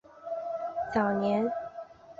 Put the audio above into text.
早年肄业于绥德省立第四师范学校肄业。